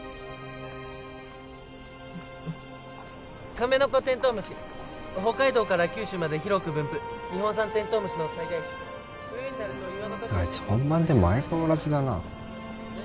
カメノコテントウムシ北海道から九州まで広く分布日本産テントウムシの最大種冬になると岩の陰やあいつ本番でも相変わらずだなね